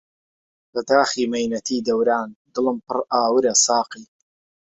لە داخی مەینەتی دەوران دلم پر ئاورە ساقی